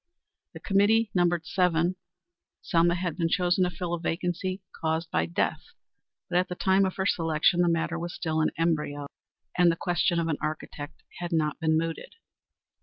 The committee numbered seven. Selma had been chosen to fill a vacancy caused by death, but at the time of her selection the matter was still in embryo, and the question of an architect had not been mooted.